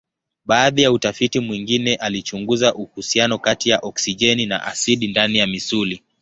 Baadhi ya utafiti mwingine alichunguza uhusiano kati ya oksijeni na asidi ndani ya misuli.